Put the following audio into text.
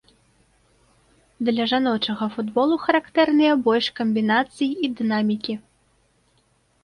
Для жаночага футболу характэрныя больш камбінацый і дынамікі.